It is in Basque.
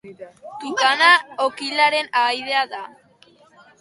Tukana okilaren ahaidea da.